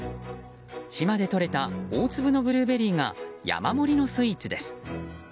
島でとれた大粒のブルーベリーが山盛りのスイーツです。